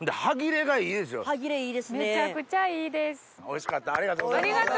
おいしかったありがとうございます。